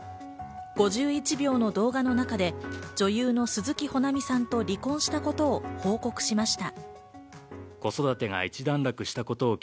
５１秒の動画の中で女優の鈴木保奈美さんと離婚したことを報告しました。